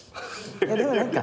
でも何か。